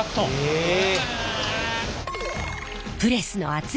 へえ。